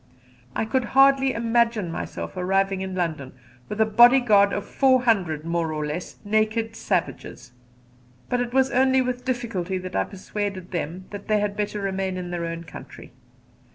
I could hardly imagine myself arriving in London with a body guard of four hundred more or less naked savages, but it was only with difficulty that I persuaded them that they had better remain in their own country.